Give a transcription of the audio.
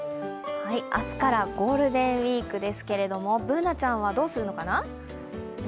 明日からゴールデンウイークですけれども、Ｂｏｏｎａちゃんはどうするのかな？